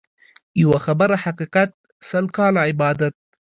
يوه خبره حقيقت ، سل کاله عبادت.